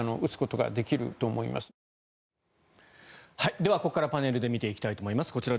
ではここからパネルで見ていきたいと思います。